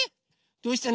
どうしたの？